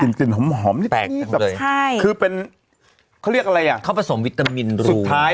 กลิ่นกลิ่นหอมหอมแปลกใช่คือเป็นเขาเรียกอะไรอ่ะเขาผสมวิตามินรู